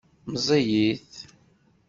Meẓẓiyit.